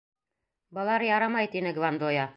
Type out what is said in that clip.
Былар ярамай, тине Гвандоя.